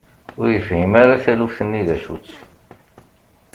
Ur yefhim ara taluft-nni d acu-tt.